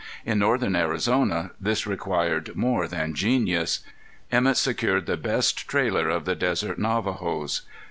In northern Arizona this required more than genius. Emett secured the best trailer of the desert Navajos.